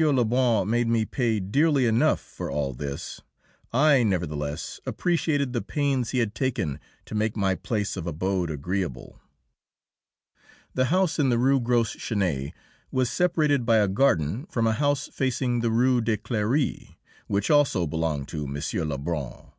Lebrun made me pay dearly enough for all this, I nevertheless appreciated the pains he had taken to make my place of abode agreeable. The house in the Rue Gros Chenet was separated by a garden from a house facing the Rue de Cléry, which also belonged to M. Lebrun.